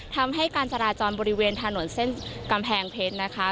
ทำให้การจราจรบริเวณถนนเส้นกำแพงเพชรนะคะ